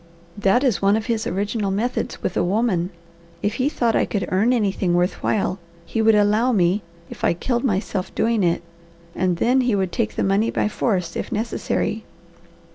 That is one of his original methods with a woman. If he thought I could earn anything worth while, he would allow me, if I killed myself doing it; and then he would take the money by force if necessary.